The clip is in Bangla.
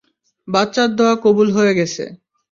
বাচ্চার দোয়া কবুল হয়ে গেছে।